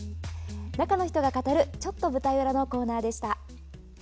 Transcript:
「中の人が語るちょっと舞台裏」のコーナーでした。